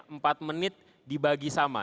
empat menit dibagi sama